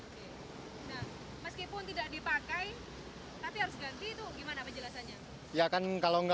oke nah meskipun tidak dipakai tapi harus ganti itu gimana penjelasannya